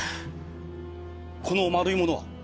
この丸いものは？